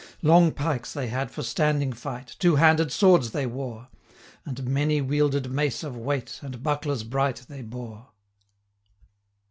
Long pikes they had for standing fight, Two handed swords they wore, And many wielded mace of weight, 45 And bucklers bright they bore.